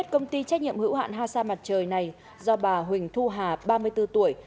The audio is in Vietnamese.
công ty trách nhiệm hữu hạn hasa mặt trời này do bà huỳnh thu hà ba mươi bốn tuổi